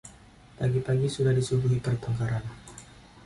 Pagi-pagi sudah disuguhi pertengkaran.